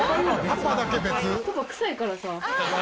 パパ臭いから。